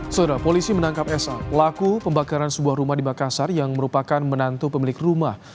saudara polisi menangkap sa pelaku pembakaran sebuah rumah di makassar yang merupakan menantu pemilik rumah